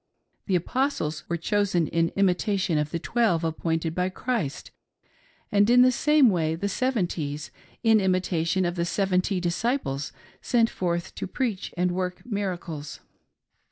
The "Apostles" were chosen in imitation of the "Twelve" appointed by Christ; and in the same way the " Seventies," in imitation of the seventy disciples sent forth»to preach and work miracles.